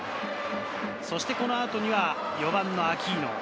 そしてこの後には４番のアキーノ。